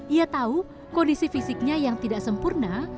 ia tahu kondisi fisiknya yang tidak sempurna